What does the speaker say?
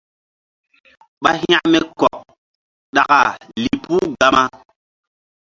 Ɓa hȩkme kɔk ɗaka lih puh Gama.